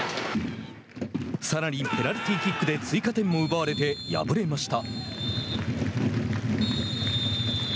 さらにペナルティーキックで追加点も奪われて敗れました。